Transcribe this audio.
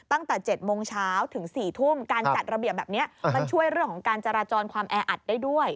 ตั้งแต่๗โมงเช้าถึง๔ทุ่มการจัดระเบียบแบบนี้มันช่วยเรื่องของการจราจรความแออัดได้ด้วย